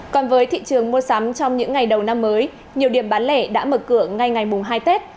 còn với thị trường mua sắm trong những ngày đầu năm mới nhiều điểm bán lẻ đã mở cửa ngay ngày mùng hai tết